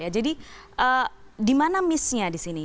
jadi dimana miss nya disini